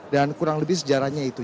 dan kurang lebih sejarahnya itu